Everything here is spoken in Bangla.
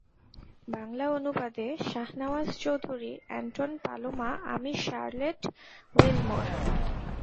বাংলা অনুবাদেঃ শাহনেওয়াজ চৌধুরী এন্টন পালোমা আমি শার্লেট উইলমোর।